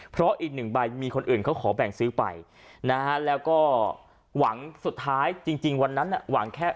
เพราะอีกหนึ่งใบมีคนอื่นเขาขอแบ่งซื้อไปนะฮะแล้วก็หวังสุดท้ายจริงวันนั้นหวังแค่